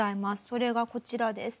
それがこちらです。